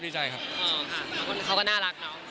เขาก็น่ารักเนาะ